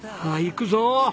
はあいくぞ！